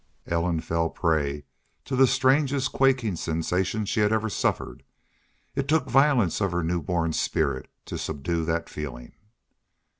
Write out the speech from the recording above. Ellen felt prey to the strangest quaking sensation she had ever suffered. It took violence of her new born spirit to subdue that feeling.